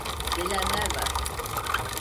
Gelenler var.